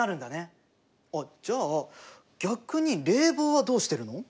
あっじゃあ逆に冷房はどうしてるの？